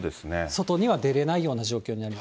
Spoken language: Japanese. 外には出れないような状況になる。